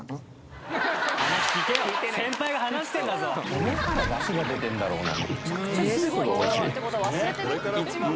骨からだしが出てんだろうな。